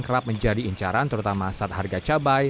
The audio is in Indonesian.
kerap menjadi incaran terutama saat harga cabai